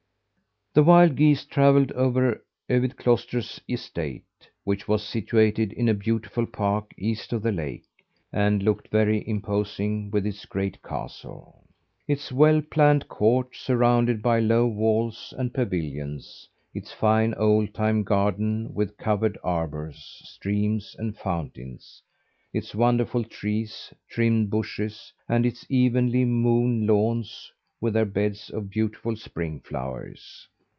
The wild geese travelled over Övid's Cloister estate which was situated in a beautiful park east of the lake, and looked very imposing with its great castle; its well planned court surrounded by low walls and pavilions; its fine old time garden with covered arbours, streams and fountains; its wonderful trees, trimmed bushes, and its evenly mown lawns with their beds of beautiful spring flowers.